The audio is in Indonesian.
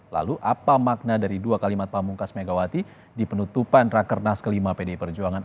lalu apa makna dari dua kalimat pamungkas megawati di penutupan rakernas kelima pdi perjuangan